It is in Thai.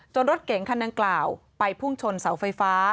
รถเก๋งคันดังกล่าวไปพุ่งชนเสาไฟฟ้า